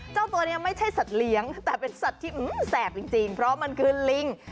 เจ้าตัวนี้ไม่ใช่สัตว์เลี้ยงแต่เป็นสัตว์ที่แสบจริงเพราะมันคือลิง